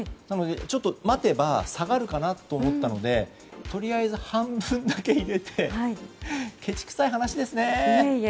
なので、ちょっと待てば下がるかなと思ったのでとりあえず半分だけ入れてけち臭い話ですね。